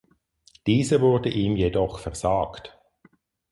Diese wurde ihm jedoch versagt.